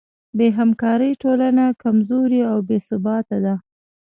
بېهمکارۍ ټولنه کمزورې او بېثباته ده.